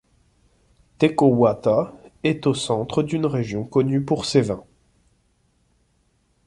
Te Kauwhata est au centre d'une région connue pour ses vins.